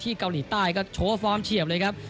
เกาหลีใต้ก็โชว์ฟอร์มเฉียบเลยครับ